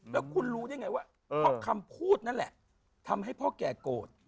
แล้วคุณรู้ได้ไงว่าเพราะคำพูดนั่นแหละทำให้พ่อแก่โกรธ